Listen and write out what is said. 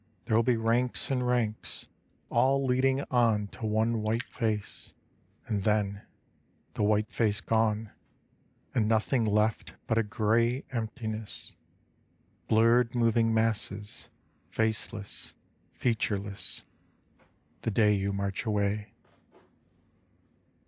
There will be ranks and ranks, all leading on To one white face, and then the white face gone, And nothing left but a gray emptiness Blurred moving masses, faceless, featureless The day you march away.